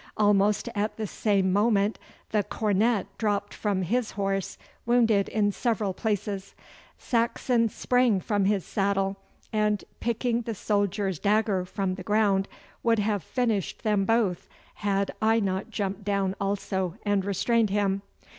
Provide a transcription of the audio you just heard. Almost at the same moment the cornet dropped from his horse, wounded in several places. Saxon sprang from his saddle, and picking the soldier's dagger from the ground, would have finished them both had I not jumped down also and restrained him.